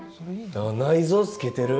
内臓透けてる。